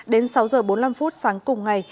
đến sáu giờ bốn mươi năm phút sáng cùng ngày